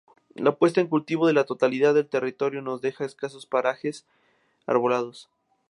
La puesta en cultivo de la totalidad del territorio nos deja escasos parajes arbolados.